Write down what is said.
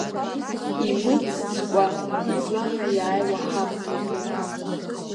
Имыӡцкәа изланаиааиуа ҳамҭоуп!